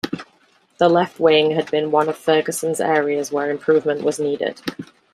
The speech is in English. The left wing had been one of Ferguson's areas where improvement was needed.